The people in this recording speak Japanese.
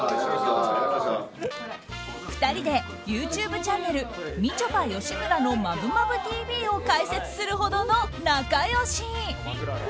２人でＹｏｕＴｕｂｅチャンネル「みちょぱ吉村のマブマブＴＶ」を開設するほどの仲良し。